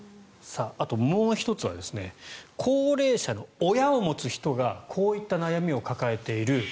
あともう１つは高齢者の親を持つ人がこういった悩みを抱えている。